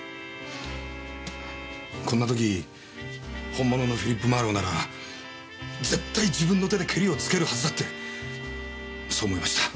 こんな時本物のフィリップ・マーロウなら絶対自分の手でケリをつけるはずだってそう思いました。